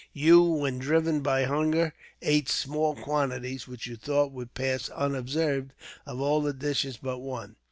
You, when driven by hunger, ate small quantities, which you thought would pass unobserved, of all the dishes but one.